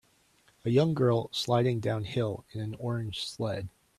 A young girl sliding downhill in an orange sled.